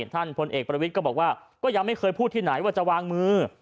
พลเอกประวิทย์ก็บอกว่าก็ยังไม่เคยพูดที่ไหนว่าจะวางมือ